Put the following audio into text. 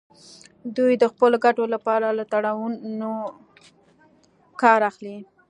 دوی د خپلو ګټو لپاره له تړونونو کار اخلي